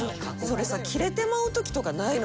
それさキレてまう時とかないの？